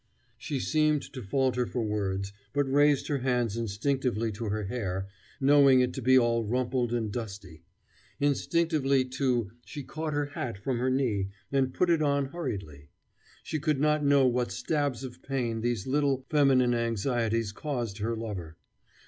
She seemed to falter for words, but raised her hands instinctively to her hair, knowing it to be all rumpled and dusty. Instinctively, too, she caught her hat from her knee, and put it on hurriedly. She could not know what stabs of pain these little feminine anxieties caused her lover.